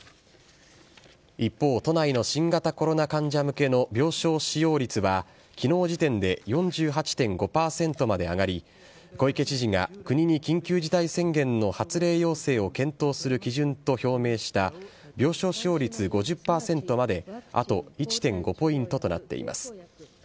一方、都内の新型コロナ患者向けの病床使用率は、きのう時点で４８．５％まで上がり、小池知事が国に緊急事態宣言の発令要請を検討する基準と表明した、病床使用率５０％まであと１．５ポイントとなっています。